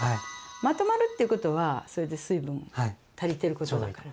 まとまるっていうことはそれで水分足りてることだから。